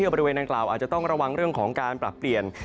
บริเวณดังกล่าวอาจจะต้องระวังเรื่องของการปรับเปลี่ยน